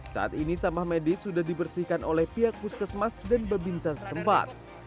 saat ini sampah medis sudah dibersihkan oleh pihak puskesmas dan babinsa setempat